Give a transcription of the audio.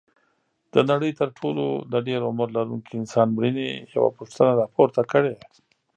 د نړۍ تر ټولو د ډېر عمر لرونکي انسان مړینې یوه پوښتنه راپورته کړې.